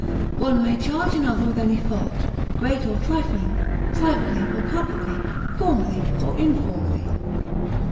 One may charge another with any fault, great or trifling, privately or publicly, formally or informally.